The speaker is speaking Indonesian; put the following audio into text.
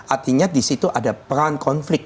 artinya di situ ada peran konflik